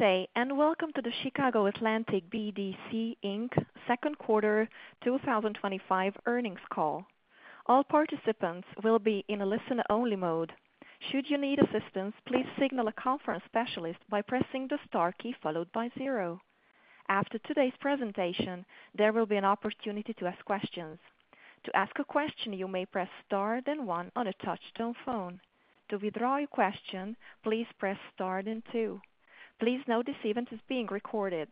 Today, and welcome to the Chicago Atlantic BDC Inc Second Quarter 2025 Earnings Call. All participants will be in a listener-only mode. Should you need assistance, please signal a conference specialist by pressing the star key followed by zero. After today's presentation, there will be an opportunity to ask questions. To ask a question, you may press star then one on a touch-tone phone. To withdraw your question, please press star then two. Please note this event is being recorded.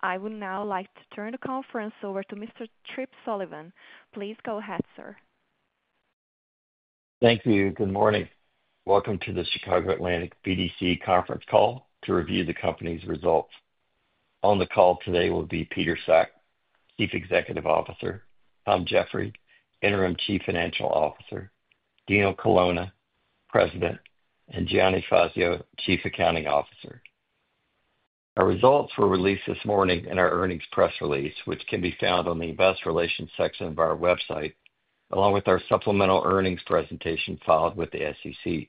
I would now like to turn the conference over to Mr. Tripp Sullivan. Please go ahead, sir. Thank you. Good morning. Welcome to the Chicago Atlantic BDC conference call to review the company's results. On the call today will be Peter Sack, Chief Executive Officer, Tom Geoffroy, Interim Chief Financial Officer, Dino Colonna, President, and Gianni Fazio, Chief Accounting Officer. Our results were released this morning in our earnings press release, which can be found on the Investor Relations section of our website, along with our supplemental earnings presentation filed with the SEC.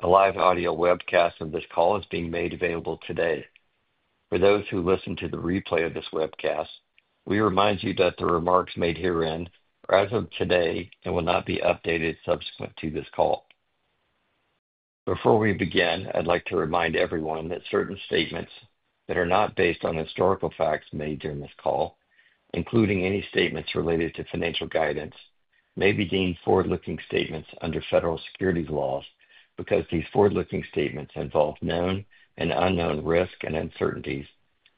A live audio webcast of this call is being made available today. For those who listen to the replay of this webcast, we remind you that the remarks made herein are as of today and will not be updated subsequent to this call. Before we begin, I'd like to remind everyone that certain statements that are not based on historical facts made during this call, including any statements related to financial guidance, may be deemed forward-looking statements under federal securities laws because these forward-looking statements involve known and unknown risks and uncertainties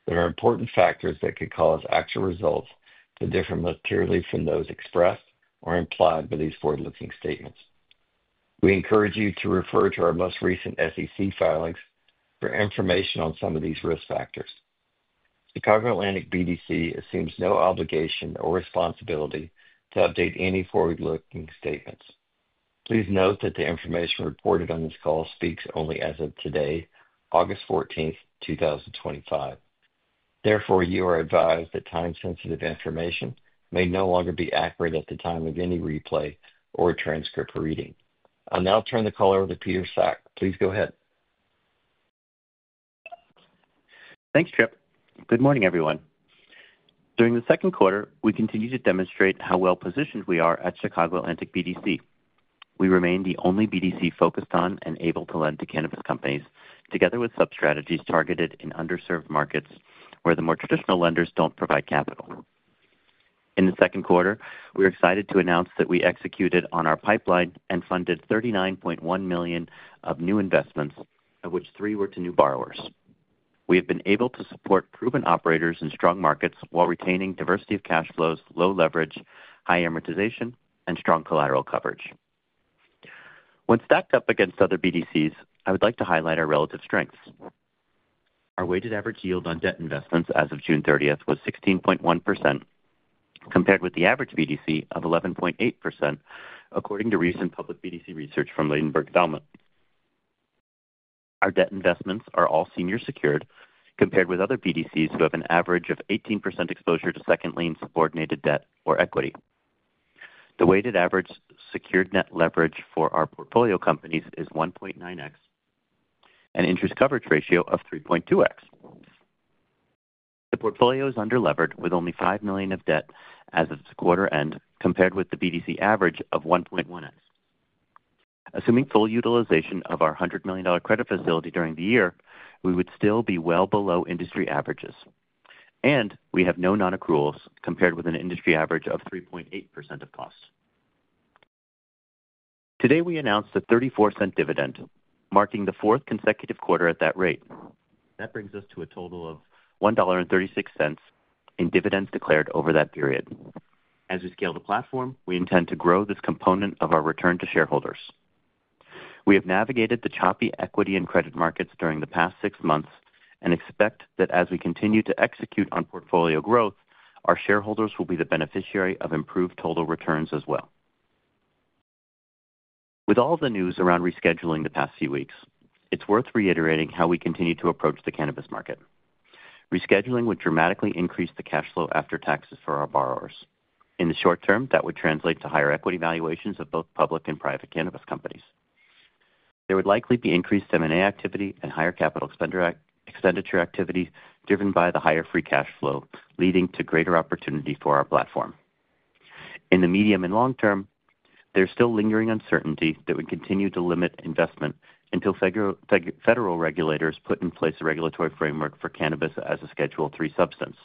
that are important factors that could cause actual results that differ materially from those expressed or implied by these forward-looking statements. We encourage you to refer to our most recent SEC filings for information on some of these risk factors. Chicago Atlantic BDC assumes no obligation or responsibility to update any forward-looking statements. Please note that the information reported on this call speaks only as of today, August 14, 2025. Therefore, you are advised that time-sensitive information may no longer be accurate at the time of any replay or transcript reading. I'll now turn the call over to Peter Sack. Please go ahead. Thanks, Tripp. Good morning, everyone. During the second quarter, we continue to demonstrate how well-positioned we are at Chicago Atlantic BDC. We remain the only BDC focused on and able to lend to cannabis companies, together with sub-strategies targeted in underserved markets where the more traditional lenders don't provide capital. In the second quarter, we are excited to announce that we executed on our pipeline and funded $39.1 million of new investments, of which three were to new borrowers. We have been able to support proven operators in strong markets while retaining a diversity of cash flows, low leverage, high amortization, and strong collateral coverage. When stacked up against other BDCs, I would like to highlight our relative strengths. Our weighted average yield on debt investments as of June 30th, 2025 was 16.1%, compared with the average BDC of 11.8%, according to recent public BDC research from Ladenburg Thalmann. Our debt investments are all senior secured, compared with other BDCs who have an average of 18% exposure to second lien subordinated debt or equity. The weighted average secured net leverage for our portfolio companies is 1.9x, an interest coverage ratio of 3.2x. The portfolio is under-leveraged with only $5 million of debt as of its quarter end, compared with the BDC average of 1.1x. Assuming full utilization of our $100 million credit facility during the year, we would still be well below industry averages. We have no non-accruals compared with an industry average of 3.8% of costs. Today, we announced a $0.34 dividend, marking the fourth consecutive quarter at that rate. That brings us to a total of $1.36 in dividends declared over that period. As we scale the platform, we intend to grow this component of our return to shareholders. We have navigated the choppy equity and credit markets during the past six months and expect that as we continue to execute on portfolio growth, our shareholders will be the beneficiary of improved total returns as well. With all of the news around rescheduling the past few weeks, it's worth reiterating how we continue to approach the cannabis market. Rescheduling would dramatically increase the cash flow after taxes for our borrowers. In the short term, that would translate to higher equity valuations of both public and private cannabis companies. There would likely be increased M&A activity and higher capital expenditure activity driven by the higher free cash flow, leading to greater opportunity for our platform. In the medium and long term, there's still lingering uncertainty that would continue to limit investment until federal regulators put in place a regulatory framework for cannabis as a Schedule III substance.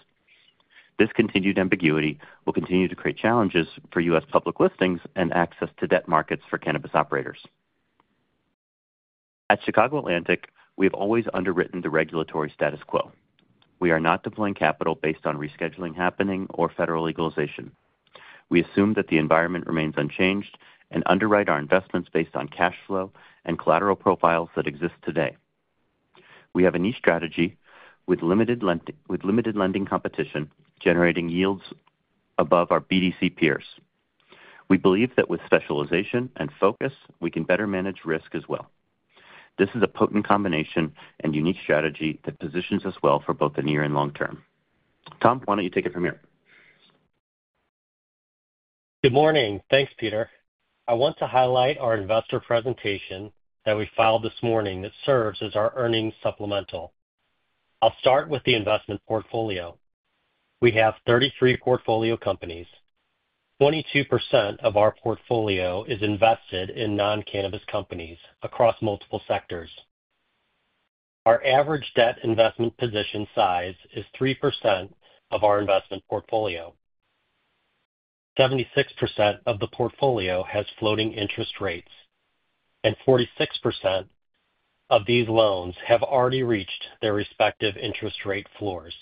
This continued ambiguity will continue to create challenges for U.S. public listings and access to debt markets for cannabis operators. At Chicago Atlantic, we have always underwritten the regulatory status quo. We are not deploying capital based on rescheduling happening or federal legalization. We assume that the environment remains unchanged and underwrite our investments based on cash flow and collateral profiles that exist today. We have a niche strategy with limited lending competition generating yields above our BDC peers. We believe that with specialization and focus, we can better manage risk as well. This is a potent combination and unique strategy that positions us well for both the near and long term. Tom, why don't you take it from here? Good morning. Thanks, Peter. I want to highlight our investor presentation that we filed this morning that serves as our earnings supplemental. I'll start with the investment portfolio. We have 33 portfolio companies. 22% of our portfolio is invested in non-cannabis companies across multiple sectors. Our average debt investment position size is 3% of our investment portfolio. 76% of the portfolio has floating interest rates, and 46% of these loans have already reached their respective interest rate floors.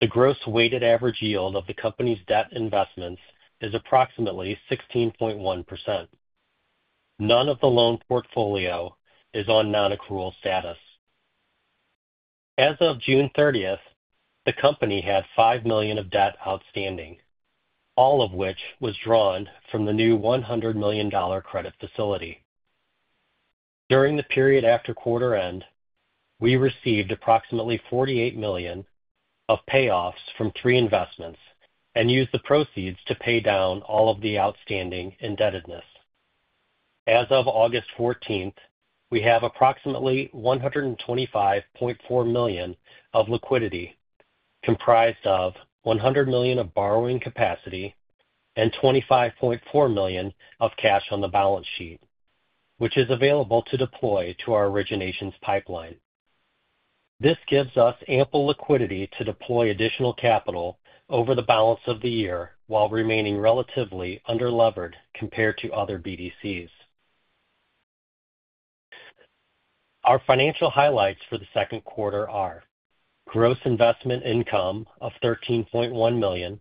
The gross weighted average yield of the company's debt investments is approximately 16.1%. None of the loan portfolio is on non-accrual status. As of June 30th, the company had $5 million of debt outstanding, all of which was drawn from the new $100 million credit facility. During the period after quarter end, we received approximately $48 million of payoffs from three investments and used the proceeds to pay down all of the outstanding indebtedness. As of August 14th, we have approximately $125.4 million of liquidity, comprised of $100 million of borrowing capacity and $25.4 million of cash on the balance sheet, which is available to deploy to our origination pipeline. This gives us ample liquidity to deploy additional capital over the balance of the year while remaining relatively under-leveraged compared to other BDCs. Our financial highlights for the second quarter are gross investment income of $13.1 million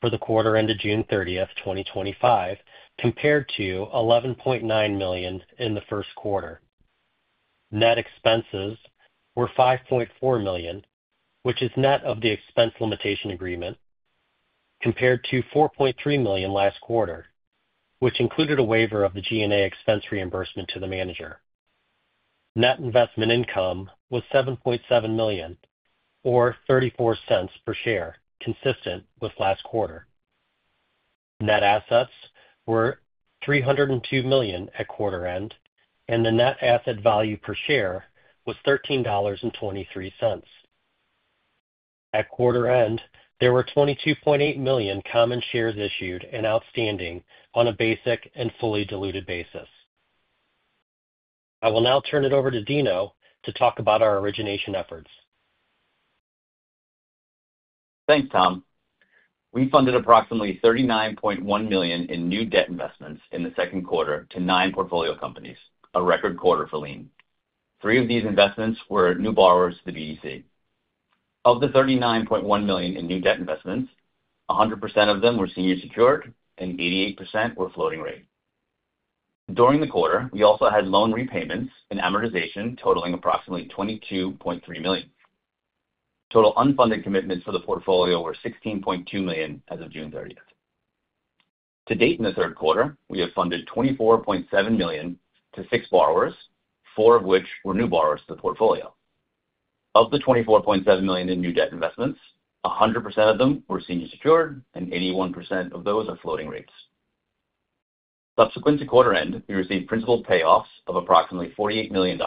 for the quarter ended June 30th, 2025, compared to $11.9 million in the first quarter. Net expenses were $5.4 million, which is net of the expense limitation agreement, compared to $4.3 million last quarter, which included a waiver of the G&A expense reimbursement to the manager. Net investment income was $7.7 million or $0.34 per share, consistent with last quarter. Net assets were $302 million at quarter end, and the net asset value per share was $13.23. At quarter end, there were 22.8 million common shares issued and outstanding on a basic and fully diluted basis. I will now turn it over to Dino to talk about our origination efforts. Thanks, Tom. We funded approximately $39.1 million in new debt investments in the second quarter to nine portfolio companies, a record quarter for lean. Three of these investments were new borrowers to the BDC. Of the $39.1 million in new debt investments, 100% of them were senior secured and 88% were floating rate. During the quarter, we also had loan repayments and amortization totaling approximately $22.3 million. Total unfunded commitments for the portfolio were $16.2 million as of June 30th. To date in the third quarter, we have funded $24.7 million to six borrowers, four of which were new borrowers to the portfolio. Of the $24.7 million in new debt investments, 100% of them were senior secured and 81% of those are floating rate. Subsequent to quarter end, we received principal payoffs of approximately $48 million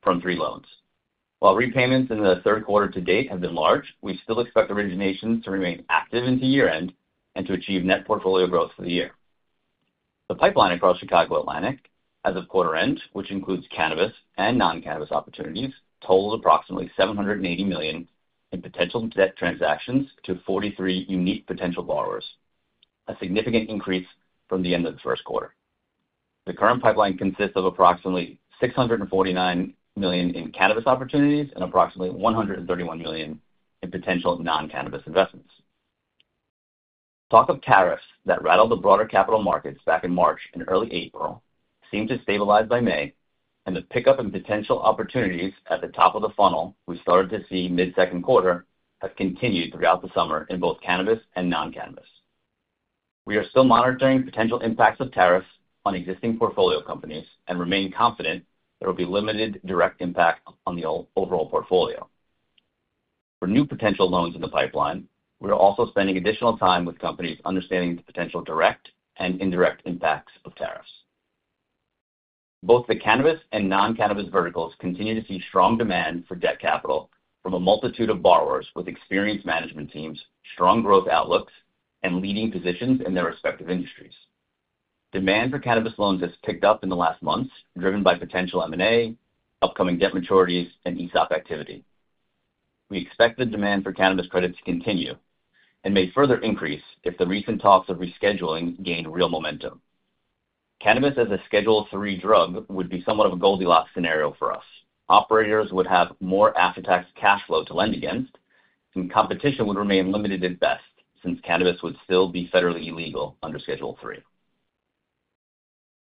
from three loans. While repayments in the third quarter to date have been large, we still expect originations to remain active into year end and to achieve net portfolio growth for the year. The pipeline across Chicago Atlantic as of quarter end, which includes cannabis and non-cannabis opportunities, totals approximately $780 million in potential debt transactions to 43 unique potential borrowers, a significant increase from the end of the first quarter. The current pipeline consists of approximately $649 million in cannabis opportunities and approximately $131 million in potential non-cannabis investments. Talk of tariffs that rattled the broader capital markets back in March and early April seemed to stabilize by May, and the pickup in potential opportunities at the top of the funnel we started to see mid-second quarter has continued throughout the summer in both cannabis and non-cannabis. We are still monitoring potential impacts of tariffs on existing portfolio companies and remain confident there will be limited direct impact on the overall portfolio. For new potential loans in the pipeline, we are also spending additional time with companies understanding the potential direct and indirect impacts of tariffs. Both the cannabis and non-cannabis verticals continue to see strong demand for debt capital from a multitude of borrowers with experienced management teams, strong growth outlooks, and leading positions in their respective industries. Demand for cannabis loans has picked up in the last months, driven by potential M&A activity, upcoming debt maturities, and ESOP transactions. We expect the demand for cannabis credits to continue and may further increase if the recent talks of rescheduling gain real momentum. Cannabis as a Schedule III drug would be somewhat of a Goldilocks scenario for us. Operators would have more asset tax cash flow to lend against, and competition would remain limited at best since cannabis would still be federally illegal under Schedule III.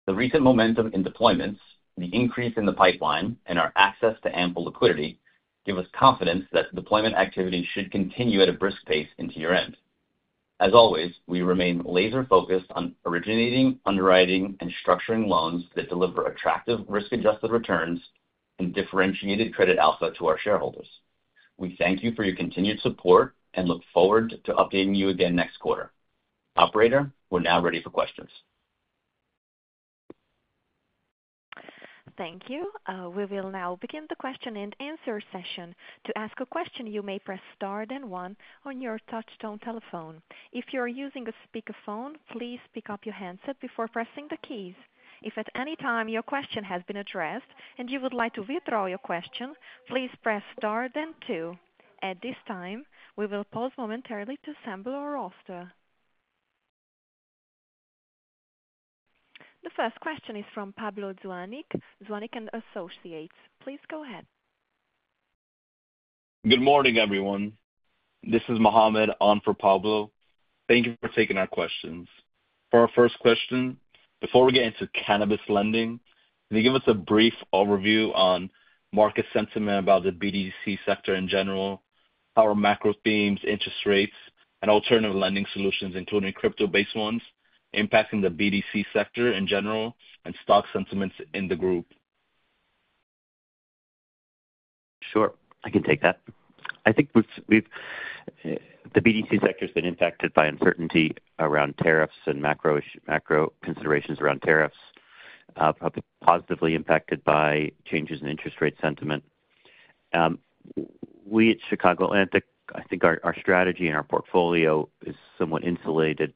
The recent momentum in deployments, the increase in the pipeline, and our access to ample liquidity give us confidence that deployment activities should continue at a brisk pace into year end. As always, we remain laser-focused on originating, underwriting, and structuring loans that deliver attractive risk-adjusted returns and differentiated credit alpha to our shareholders. We thank you for your continued support and look forward to updating you again next quarter. Operator, we're now ready for questions. Thank you. We will now begin the question and answer session. To ask a question, you may press star then one on your touch-tone telephone. If you are using a speakerphone, please pick up your handset before pressing the keys. If at any time your question has been addressed and you would like to withdraw your question, please press star then two. At this time, we will pause momentarily to assemble our roster. The first question is from Pablo Zuanic, Zuanic & Associates. Please go ahead. Good morning, everyone. This is Mohammed on for Pablo. Thank you for taking our questions. For our first question, before we get into cannabis lending, can you give us a brief overview on market sentiment about the BDC sector in general, our macro themes, interest rates, and alternative lending solutions, including crypto-based ones, impacting the BDC sector in general and stock sentiments in the group? Sure, I can take that. I think the BDC sector has been impacted by uncertainty around tariffs and macro considerations around tariffs, probably positively impacted by changes in interest rate sentiment. We at Chicago Atlantic, I think our strategy and our portfolio is somewhat insulated,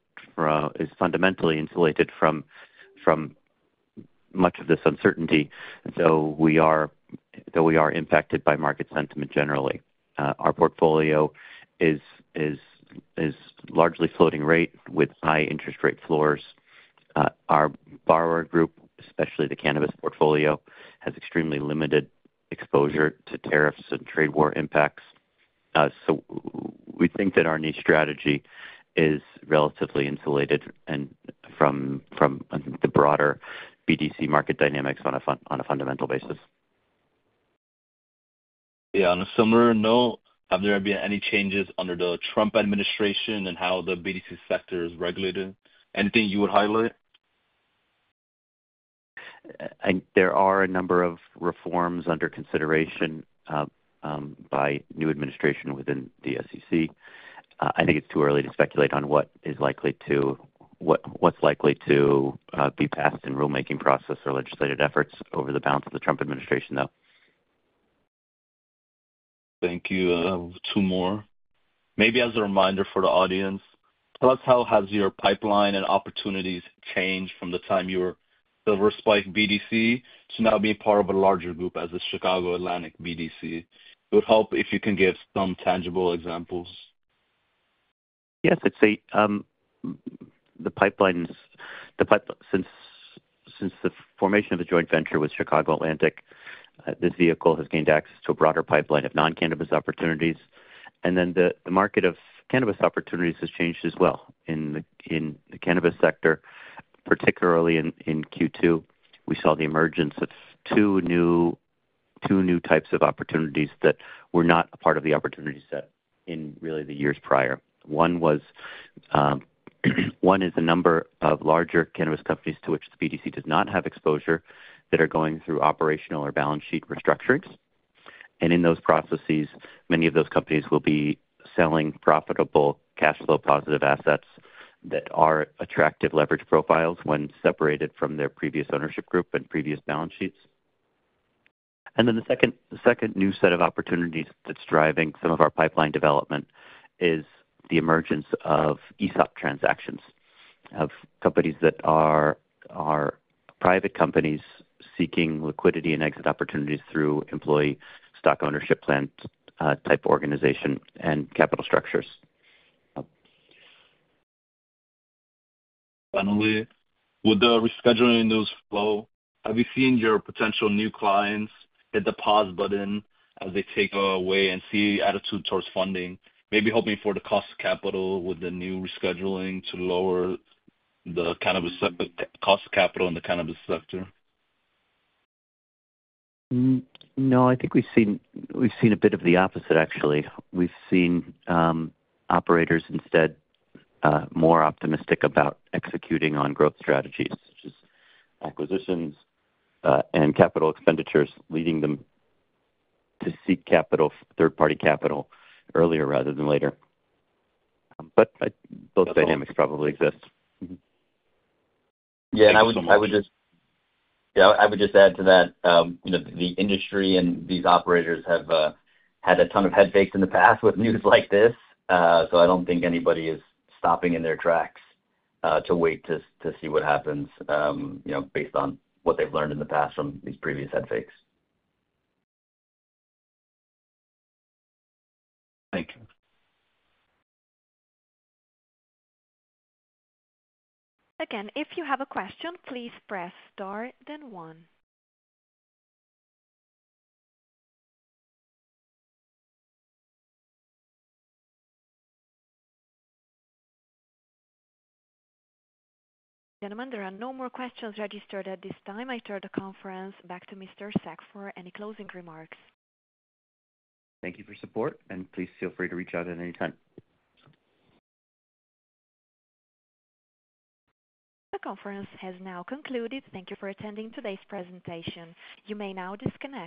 is fundamentally insulated from much of this uncertainty. Though we are impacted by market sentiment generally, our portfolio is largely floating rate with high interest rate floors. Our borrower group, especially the cannabis portfolio, has extremely limited exposure to tariffs and trade war impacts. We think that our niche strategy is relatively insulated from the broader BDC market dynamics on a fundamental basis. Yeah, on a similar note, have there been any changes under the Trump administration in how the BDC sector is regulated? Anything you would highlight? I think there are a number of reforms under consideration by the new administration within the SEC. I think it's too early to speculate on what's likely to be passed in the rulemaking process or legislative efforts over the bounds of the Trump administration, though. Thank you. I have two more. Maybe as a reminder for the audiwere ence, tell us how has your pipeline and opportunities changed from the time you Silver Spike BDC to now be part of a larger group as the Chicago Atlantic BDC? It would help if you can give some tangible examples. Yes, I'd say the pipeline, since the formation of a joint venture with Chicago Atlantic, this vehicle has gained access to a broader pipeline of non-cannabis opportunities. The market of cannabis opportunities has changed as well in the cannabis sector, particularly in Q2. We saw the emergence of two new types of opportunities that were not a part of the opportunity set in really the years prior. One is the number of larger cannabis companies to which the BDC does not have exposure that are going through operational or balance sheet restructurings. In those processes, many of those companies will be selling profitable cash flow positive assets that are attractive leverage profiles when separated from their previous ownership group and previous balance sheets. The second new set of opportunities that's driving some of our pipeline development is the emergence of ESOP transactions, of companies that are private companies seeking liquidity and exit opportunities through employee stock ownership plan type organization and capital structures. Finally, with the rescheduling news flow, have you seen your potential new clients hit the pause button as they take a wait and see attitude towards funding, maybe hoping for the cost of capital with the new rescheduling to lower the kind of the cost of capital in the cannabis sector? No, I think we've seen a bit of the opposite, actually. We've seen operators instead more optimistic about executing on growth strategies, such as acquisitions and capital expenditures, leading them to seek third-party capital earlier rather than later. Both dynamics probably exist. Yeah, I would just add to that, you know, the industry and these operators have had a ton of head fakes in the past with news like this. I don't think anybody is stopping in their tracks to wait to see what happens, you know, based on what they've learned in the past from these previous head fakes. Thank you. Again, if you have a question, please press star then one. Gentlemen, there are no more questions registered at this time. I turn the conference back to Mr. Sack for any closing remarks. Thank you for your support, and please feel free to reach out at any time. The conference has now concluded. Thank you for attending today's presentation. You may now disconnect.